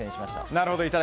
なるほど。